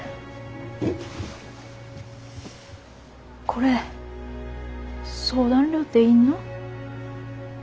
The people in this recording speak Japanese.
これ相談料って要んの？